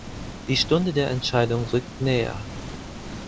Die Stunde der Entscheidung rückt näher.